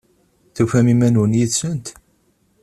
Tufam iman-nwen yid-sent?